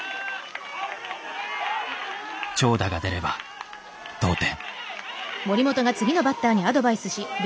長打が出れば同点。